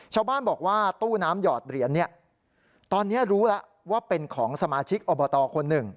ชาวบ้านบอกว่าตู้น้ำหยอดเหรียญเนี่ยตอนนี้รู้แล้วว่าเป็นของสมาชิกอบตคนหนึ่ง